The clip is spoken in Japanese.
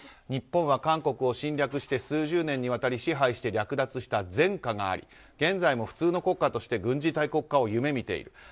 日本は韓国を侵略して数十年にわたり支配して略奪した前科があり現在も普通の国家として軍事大国化を夢見ている。